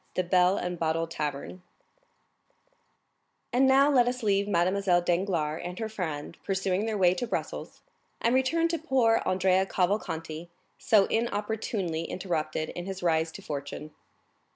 The Bell and Bottle Tavern And now let us leave Mademoiselle Danglars and her friend pursuing their way to Brussels, and return to poor Andrea Cavalcanti, so inopportunely interrupted in his rise to fortune.